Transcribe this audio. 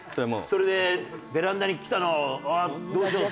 それでベランダにきたのをどうしよう。